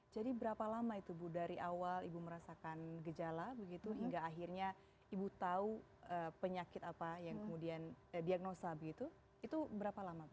jadi berapa lama itu bu dari awal ibu merasakan gejala begitu hingga akhirnya ibu tahu penyakit apa yang kemudian diagnosa begitu itu berapa lama bu